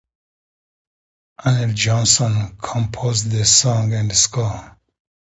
Anil Johnson composed the songs and score.